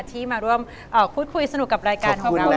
ที่มาร่วมพูดคุยสนุกกับรายการของเรา